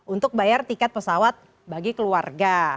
untuk bayar tiket pesawat bagi keluarga